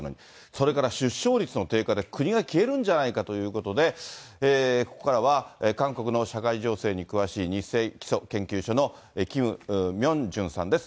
それから出生率の低下で国が消えるんじゃないかということで、ここからは、韓国の社会情勢に詳しいニッセイ基礎研究所のキム・ミョンジュンさんです。